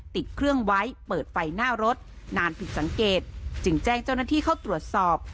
ติดเครื่องไว้เปิดไฟหน้ารถนานผิดสังเกตจึงแจ้งเจ้าหน้าที่เข้าตรวจสอบ